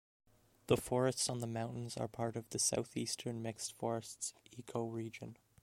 The forests on the mountains are part of the Southeastern mixed forests ecoregion.